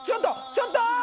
ちょっと！